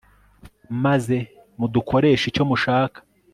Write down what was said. maze mudukoreshe icyo mushaka